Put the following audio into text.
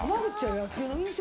野球の印象